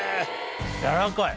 やらかい！